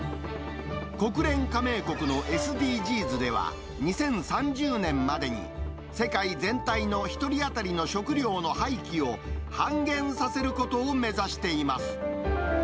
国連加盟国のＳＤＧｓでは、２０３０年までに、世界全体の１人当たりの食料の廃棄を、半減させることを目指しています。